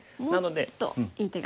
もっといい手が。